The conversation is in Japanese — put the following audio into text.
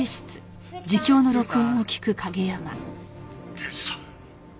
「刑事さん